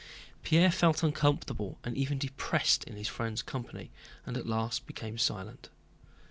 Pierre felt uncomfortable and even depressed in his friend's company and at last became silent.